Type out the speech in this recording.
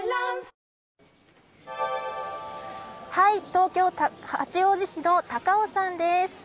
東京、八王子市の高尾山です。